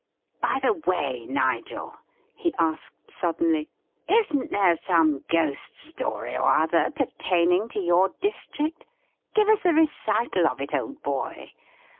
"By the way, Nigel," he asked suddenly, "isn't there some ghost story or other pertaining to your district? Give us a recital of it, old boy.